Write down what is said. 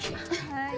はい。